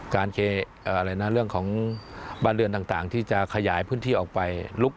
การเคอะไรนะเรื่องของบ้านเรือนต่างที่จะขยายพื้นที่ออกไป